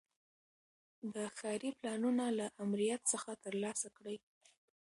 د ښاري پلانونو له آمریت څخه ترلاسه کړي.